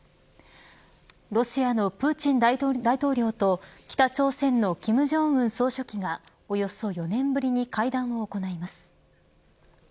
ロシアのプーチン大統領と北朝鮮の金正恩総書記がおよそ４年ぶりに会談を行います。